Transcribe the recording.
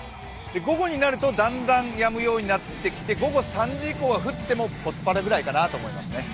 午後になるとだんだんやむようになってきて、午後３時以降は降ってもポツポツくらいかなと思いますね。